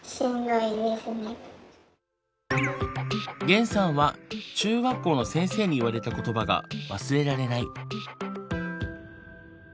ゲンさんは中学校の先生に言われた言葉が忘れられない。